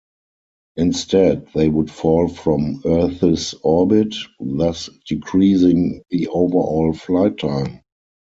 Instead, they would fall from earth's orbit, thus decreasing the overall flight time.